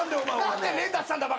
何で連打したんだ！？